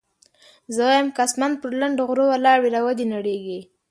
زه وايم که اسمان پر لنډه غرو ولاړ وي را دې ونړېږي.